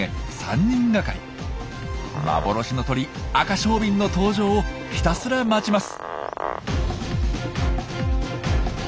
幻の鳥アカショウビンの登場をひたすら待ちます。